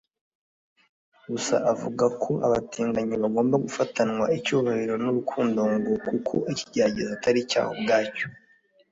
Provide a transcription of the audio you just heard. Gusa avuga ko abatinganyi bagomba gufutanwa icyubahiro n’urukundo (ngo kuko ikigeragezo atari icyaha ubwacyo